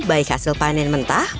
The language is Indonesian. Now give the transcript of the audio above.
baik hasil panen mentah